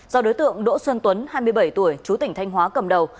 do đối tượng đỗ xuân tuấn hai mươi bảy tuổi chú tỉnh thanh hóa cầm đầu